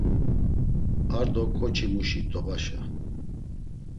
Ar do ǩoçimuşi t̆obaşa.